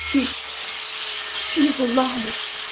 She " "She is alive!"